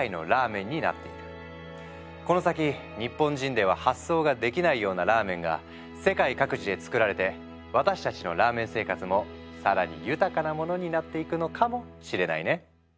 この先日本人では発想ができないようなラーメンが世界各地で作られて私たちのラーメン生活も更に豊かなものになっていくのかもしれないね。